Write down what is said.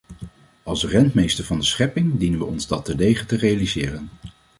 Als rentmeesters van de schepping dienen we ons dat terdege te realiseren.